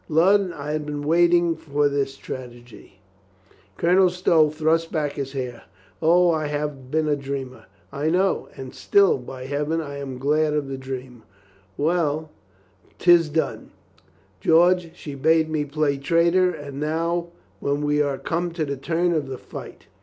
Lud, I have been waiting for the tragedy." Colonel Stow thrust back his hair. "O, I have been a dreamer. I know ... and still, by Heaven, I am glad of the dream ... Well, 226 COLONEL GREATHEART 'tis done ... George, she bade me play traitor. And now, when we are come to the turn of the fight."